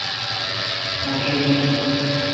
اوں شی می